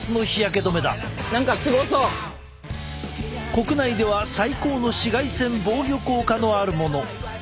国内では最高の紫外線防御効果のあるもの。